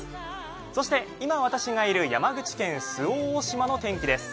そして今、私がいる山口県の周防大島の天気です。